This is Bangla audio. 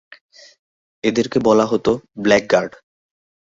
এদেরকে বলা হতো ‘ব্ল্যাক গার্ড’।